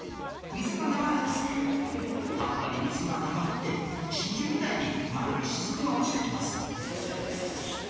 水が流れた葉っぱに水がたまって真珠みたいに丸い滴が落ちて来ます